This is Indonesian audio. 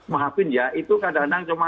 maka sebaiknya menggunakan media sosial